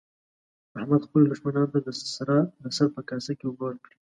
احمد خپلو دوښمنانو ته د سره په کاسه کې اوبه ورکړې.